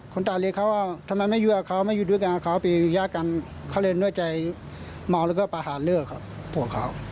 เขาก็ไปอยู่ยากกันเขาเลยเนื้อใจมองแล้วก็ไปหาเลือกครับผัวเขา